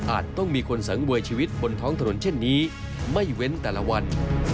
ต้องมีคนสังเวยชีวิตบนท้องถนนเช่นนี้ไม่เว้นแต่ละวัน